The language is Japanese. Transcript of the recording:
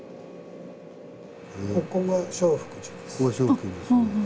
ここが聖福寺です。